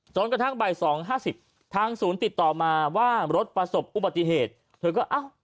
จนกระทั่งบ่าย๒๕๐ทางศูนย์ติดต่อมาว่ารถประสบอุบัติเหตุเธอก็เอ้า